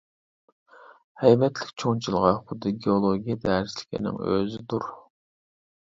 ھەيۋەتلىك چوڭ جىلغا خۇددى گېئولوگىيە دەرسلىكىنىڭ ئۆزىدۇر.